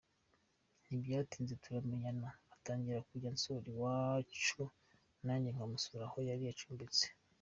Ntibyatinze turamenyerana atangira kujya ansura iwacu nanjye nkamusura aho yari acumbitse.